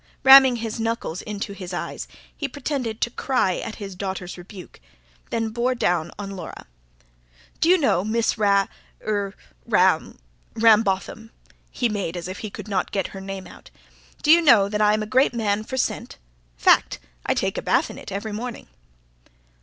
Ramming his knuckles into his eyes, he pretended to cry at his daughter's rebuke; then bore down on Laura. "D'you know, Miss Ra ... Ra ... Rambotham" he made as if he could not get her name out "d'you know that I'm a great man for scent? Fact. I take a bath in it every morning."